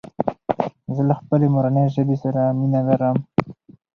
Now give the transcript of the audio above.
زه له خپلي مورني ژبي پښتو سره مينه لرم